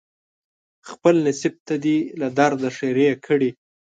خپل نصیب ته دې له درده ښیرې کړي